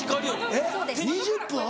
えっ２０分？